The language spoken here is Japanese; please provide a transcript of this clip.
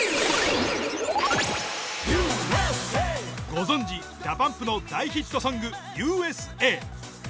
ご存じＤＡＰＵＭＰの大ヒットソング「Ｕ．Ｓ．Ａ．」。